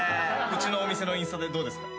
うちのお店のインスタでどうですか？